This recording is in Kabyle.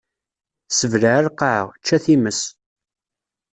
Ssebleɛ a lqaɛa, ečč a times!